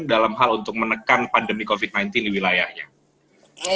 dalam hal untuk menekan pandemi covid sembilan belas di wilayahnya